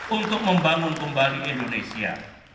untuk membangun kembali indonesia